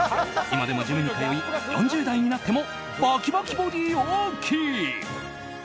今でもジムに通い４０代になってもバキバキボディーをキープ！